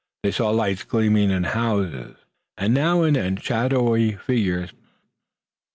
They saw lights gleaming in houses, and now and then shadowy figures passing.